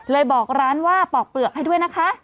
บอกร้านว่าปอกเปลือกให้ด้วยนะคะ